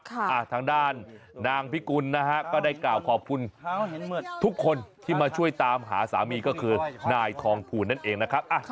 ทางด้านนางพิกุลนะฮะก็ได้กล่าวขอบคุณทุกคนที่มาช่วยตามหาสามีก็คือนายทองภูลนั่นเองนะครับ